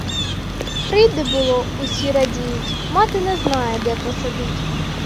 Прийде було — усі радіють: мати не знає, де посадить.